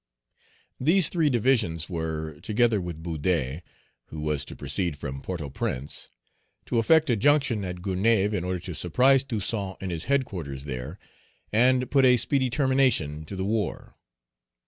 These three divisions were, together with Boudet, who was to proceed from Port au Prince, to effect a junction at Gonaïves in order to surprise Toussaint in his headquarters there, and put a speedy termination to the war.